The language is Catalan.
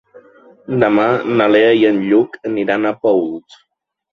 Demà na Lea i en Lluc aniran a Paüls.